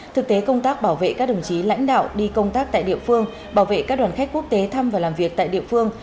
thực tế công tác bảo vệ các đồng chí lãnh đạo đi công tác tại địa phương bảo vệ các đoàn khách quốc tế thăm và làm việc tại địa phương